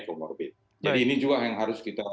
comorbid jadi ini juga yang harus kita